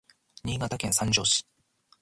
Niigataken sanjo si